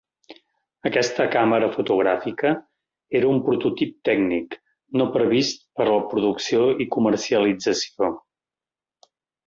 Aquesta càmera fotogràfica era un prototip tècnic, no previst per a la producció i comercialització.